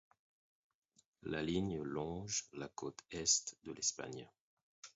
La ligne longe la côte Est de l'Espagne.